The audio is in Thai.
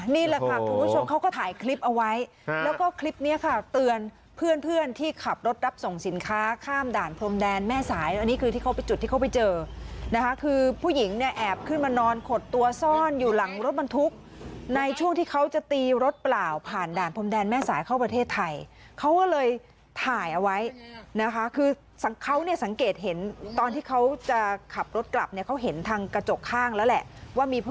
นี่แหละค่ะทุกผู้ชมเขาก็ถ่ายคลิปเอาไว้แล้วก็คลิปเนี้ยค่ะเตือนเพื่อนเพื่อนที่ขับรถรับส่งสินค้าข้ามด่านพรมแดนแม่สายแล้วอันนี้คือที่เขาไปจุดที่เขาไปเจอนะคะคือผู้หญิงเนี้ยแอบขึ้นมานอนขดตัวซ่อนอยู่หลังรถบรรทุกในช่วงที่เขาจะตีรถเปล่าผ่านด่านพรมแดนแม่สายเข้าประเทศไทยเขาก็เลยถ่ายเอา